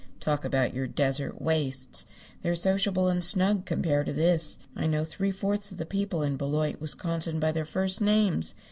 Talk about your desert wastes! They're sociable and snug compared to this. I know three fourths of the people in Beloit, Wisconsin, by their first names.